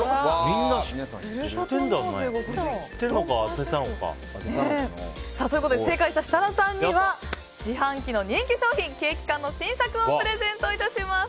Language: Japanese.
みんな、知ってるのか当てたのか。ということで正解した設楽さんには、自販機の人気商品ケーキ缶の新作をプレゼント致します。